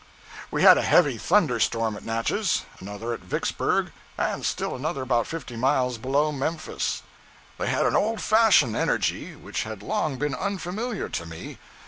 We had a heavy thunder storm at Natchez, another at Vicksburg, and still another about fifty miles below Memphis. They had an old fashioned energy which had long been unfamiliar to me.